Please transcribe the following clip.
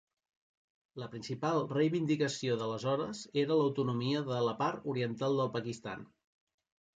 La principal reivindicació d'aleshores era l'autonomia de la part oriental del Pakistan.